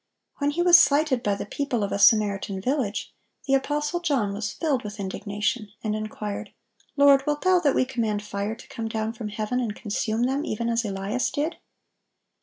When He was slighted by the people of a Samaritan village, the apostle John was filled with indignation, and inquired, "Lord, wilt Thou that we command fire to come down from heaven, and consume them, even as Elias did?"